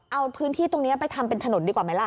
เอาพื้นที่ตรงนี้ไปทำเป็นถนนดีกว่าไหมล่ะ